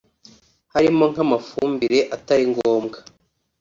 harimo nk’amafumbire atari ngombwa